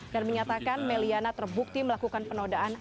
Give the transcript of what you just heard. dan menyatakan may liana terbukti melakukan penodaan